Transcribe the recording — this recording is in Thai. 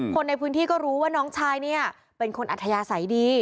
คนในพื้นที่ก็รู้ว่าน้องชายเนี่ยเป็นคนอัธยาศัยดี